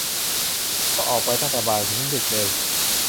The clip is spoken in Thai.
ก็ออกไปตั้งแต่บ่ายถึงดึกเลย